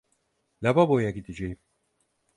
Lavaboya gideceğim.